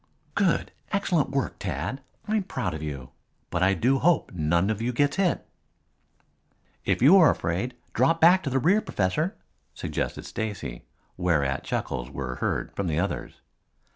"Good! Excellent head work, Tad. I'm proud of you. But I do hope none of you gets hit." "If you are afraid, drop back to the rear, Professor," suggested Stacy, whereat chuckles were heard from the others.